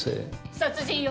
殺人よ！